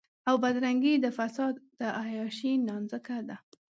او بدرنګي د فساد د عياشۍ نانځکه ده.